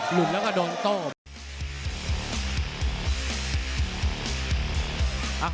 หลุดแล้วก็โดนโต้ไป